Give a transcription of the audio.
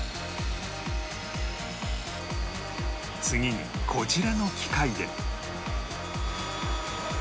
次にこちらの機械で